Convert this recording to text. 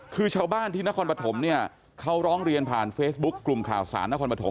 คือชาวบ้านที่นครปฐมเนี่ยเขาร้องเรียนผ่านเฟซบุ๊คกลุ่มข่าวสารนครปฐม